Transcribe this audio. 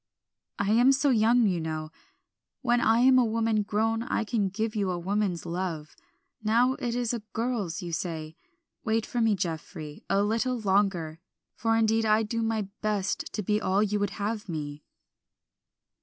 "I am so young, you know; when I am a woman grown I can give you a woman's love; now it is a girl's, you say. Wait for me, Geoffrey, a little longer, for indeed I do my best to be all you would have me."